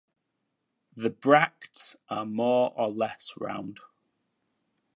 The bracts are more or less round.